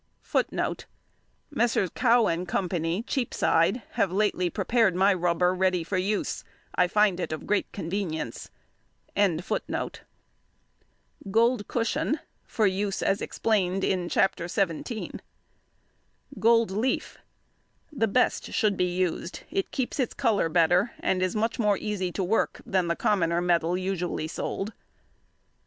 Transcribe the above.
Messrs. Cow and Co., Cheapside, have lately prepared my rubber ready for use. I find it of great convenience. Gold cushion, for use as explained in Chapter XVII. Gold leaf. The best should be used, it keeps its colour better, and is much more easy to work than the commoner metal usually sold.